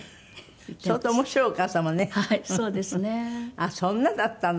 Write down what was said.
あっそんなだったの。